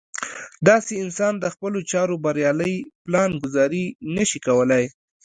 داسې انسان د خپلو چارو بريالۍ پلان ګذاري نه شي کولی.